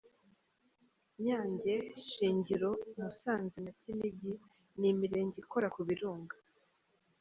Nyange, shingiro, Musanze na Kinigi ni imirenge ikora ku birunga.